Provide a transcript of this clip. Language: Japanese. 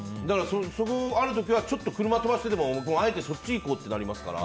ある時は車を飛ばしてでもあえてそっちに行こうってなりますから。